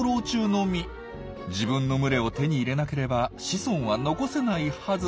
自分の群れを手に入れなければ子孫は残せないはず。